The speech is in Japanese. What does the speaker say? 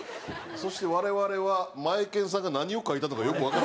そして我々はマエケンさんが何を描いたのかよくわからない。